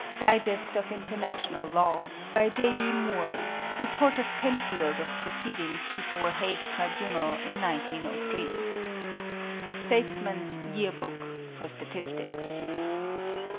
"Digest of International Law," by J.B. Moore. Report of Penfield of proceedings before Hague Tribunal in 1903. "Statesman's Year Book" (for statistics).